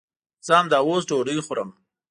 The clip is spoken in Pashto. زه همداوس ډوډۍ خورم